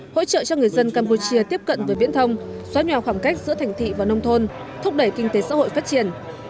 hỗ trợ cho người dân campuchia tiếp cận với viễn thông xóa nhào khoảng cách giữa thành thị và nông thôn thúc đẩy kinh tế xã hội phát triển